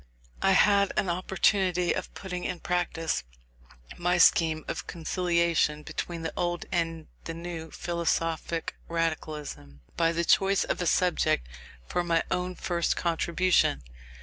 I had an opportunity of putting in practice my scheme of conciliation between the old and the new "philosophic radicalism," by the choice of a subject for my own first contribution.